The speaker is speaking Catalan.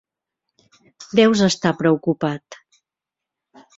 Deus estar preocupat.